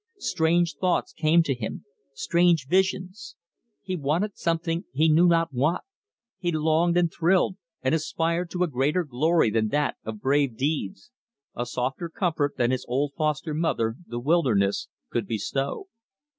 Strange thoughts came to him, strange visions. He wanted something he knew not what; he longed, and thrilled, and aspired to a greater glory than that of brave deeds, a softer comfort than his old foster mother, the wilderness, could bestow.